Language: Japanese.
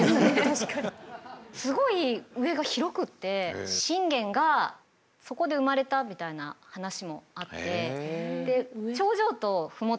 すごい上が広くって信玄がそこで生まれたみたいな話もあって。